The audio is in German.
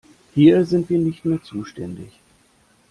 Hier sind wir nicht mehr zuständig.